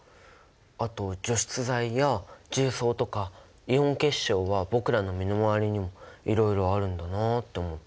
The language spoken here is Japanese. あと除湿剤や重曹とかイオン結晶は僕らの身の回りにもいろいろあるんだなって思った。